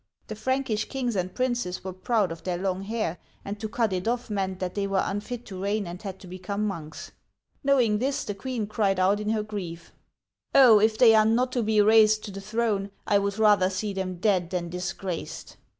The Prankish kings and princes were proud of their long hair, and to cut it off meant that they were unfit to reign and had to become monks. Knowing this, the queen cried out in her grief, Oh ! if they are not to be raised to the throne, I would rather see them dead than disgraced